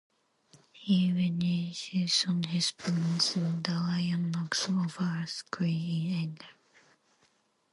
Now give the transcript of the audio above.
He reneges on his promise, and the Lion knocks over a screen in anger.